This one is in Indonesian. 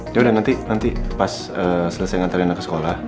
ya udah nanti pas selesai nganterin aku ke sekolah